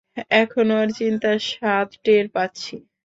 এখন ওর চিন্তার স্বাদ টের পাচ্ছি!